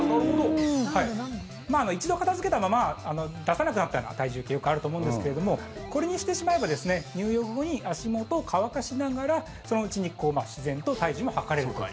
一度片付けたまま出さなくなったような体重計よくあると思うんですけれどもこれにしてしまえば入浴後に足元を乾かしながらそのうちに自然と体重も測れるという。